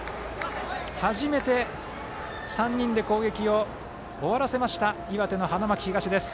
初めて３人で攻撃を終わらせました岩手、花巻東です。